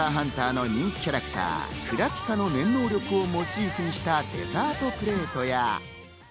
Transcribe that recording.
『ＨＵＮＴＥＲ×ＨＵＮＴＥＲ』の人気キャラクター、クラピカの念能力をモチーフにしたデザートプレートや。